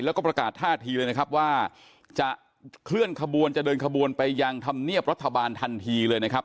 แล้วก็ประกาศท่าทีเลยนะครับว่าจะเคลื่อนขบวนจะเดินขบวนไปยังธรรมเนียบรัฐบาลทันทีเลยนะครับ